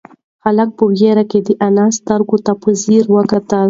هلک په وېره کې د انا سترگو ته په ځير وکتل.